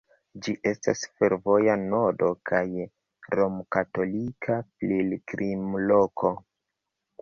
Ĝi estas fervoja nodo kaj romkatolika pilgrimloko.